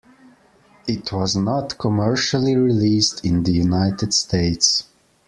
It was not commercially released in the United States.